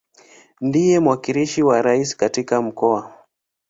Ndiye mwakilishi wa Rais katika Mkoa.